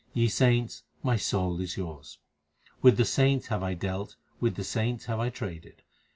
Ye saints, my soul is yours. With the saints have I dealt, with the saints have I traded.